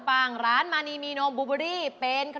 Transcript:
เป็นคำตอบนะครับเป็นคำตอบนะครับเป็นคำตอบนะครับ